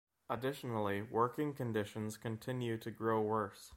Additionally, working conditions continue to grow worse.